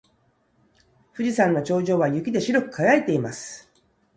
富士山の頂上は雪で白く輝いています。